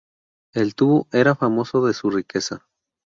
El tubo era famoso de su riqueza.